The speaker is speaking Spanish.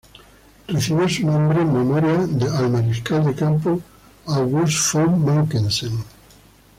Recibió su nombre en memoria al Mariscal de campo August von Mackensen.